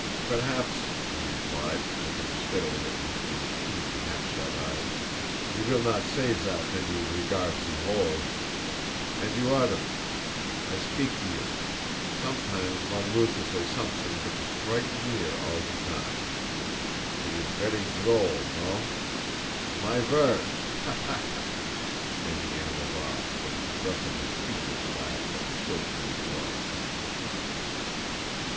"Perhaps," he replied, looking steadily at me through his keen, half shut eyes, "you vill not say zat ven you regard ze 'ole. And you others, I spik to you: sometimes von loses a somzing vich is qvite near all ze time. It is ver' droll, eh? my vord, ha, ha, ha!" And he ambled off, with an aggressively fiendish laugh that chilled my blood.